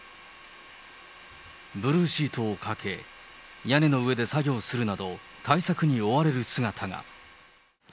ブルーシートをかけ、屋根の上で作業するなど、対策に追われる姿が。